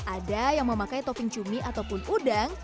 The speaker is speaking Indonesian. ada yang memakai topping cumi ataupun udang